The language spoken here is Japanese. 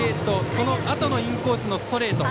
そのあとのインコースのストレート。